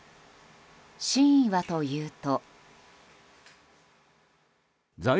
真意はというと。